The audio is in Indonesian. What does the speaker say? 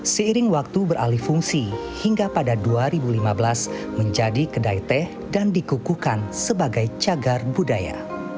seiring waktu beralih fungsi hingga pada dua ribu lima belas menjadi kedai teh dan dikukukan sebagai cagar budaya